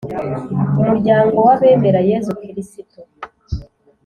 umuryango w’abemera yezu kirisito